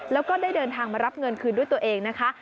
แล้วก็ได้เดินทางมารับเงินคืนด้วยตัวเองนะคะ